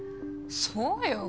そうよ。